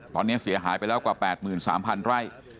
ตอนนี้เสียหายไปแล้วกว่า๘๓๐๐ไร่